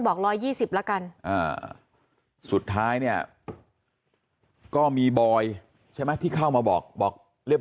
บอก๑๒๐ละกันสุดท้ายเนี่ยก็มีบอยใช่ไหมที่เข้ามาบอกบอกเรียบ